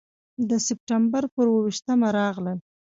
د سپټمبر پر اوه ویشتمه راغلل.